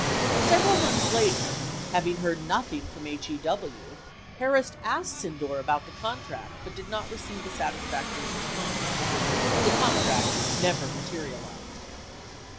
Several months later, having heard nothing from HEW? Harris asked Sydnor about the contract, but did not receive a satisfactory response. The contract never materialized.